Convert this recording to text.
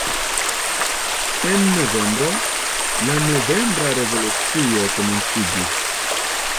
En novembro, la novembra revolucio komenciĝis.